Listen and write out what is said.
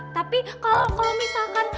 tapi kalau misalkan